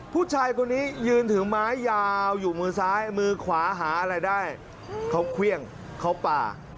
ผู้ชายคนนี้ยืนถือไม้ยาวอยู่มือซ้ายมือขวาหาอะไรได้เขาเครื่องเขาป่า